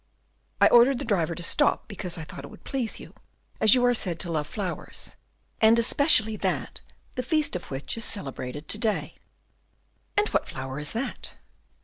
I ordered the driver to stop because I thought it would please you, as you are said to love flowers, and especially that the feast of which is celebrated to day." "And what flower is that?"